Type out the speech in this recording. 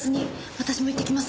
私も行ってきます。